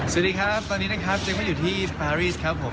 สวัสดีครับตอนนี้นะครับจึงมาอยู่ที่สปารีสครับผม